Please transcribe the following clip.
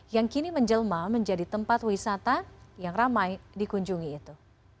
yang kini menjelma menjadi tempat wisata yang ramai dikunjungi itu